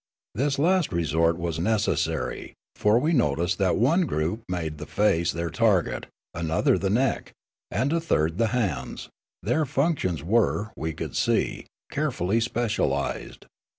This last resort was necessary, for we noticed that one group made the face their target, another the neck, and a third the hands ; their functions were, we could see, carefully specialised.